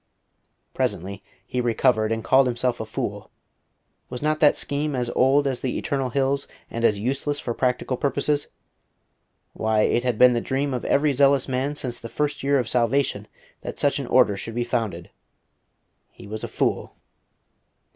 Presently he recovered, and called himself a fool. Was not that scheme as old as the eternal hills, and as useless for practical purposes? Why, it had been the dream of every zealous man since the First Year of Salvation that such an Order should be founded!... He was a fool....